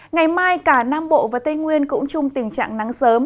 ngày mai cả nam bộ và tây nguyên cũng chung tình trạng nắng sớm